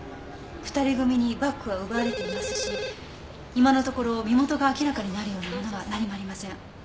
２人組にバッグは奪われていますし今のところ身元が明らかになるようなものは何もありません。